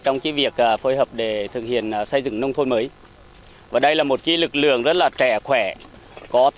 trong chiến đấu và phối hợp những công việc khác